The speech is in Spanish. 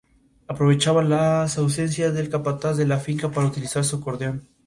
Aprovechaba las ausencias del capataz de la finca para utilizar su acordeón.